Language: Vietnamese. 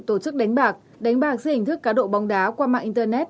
tổ chức đánh bạc đánh bạc dưới hình thức cá độ bóng đá qua mạng internet